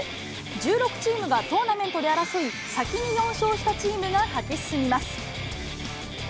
１６チームがトーナメントで争い、先に４勝したチームが勝ち進みます。